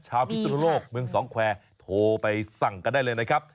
พิศนุโลกเมืองสองแควร์โทรไปสั่งกันได้เลยนะครับ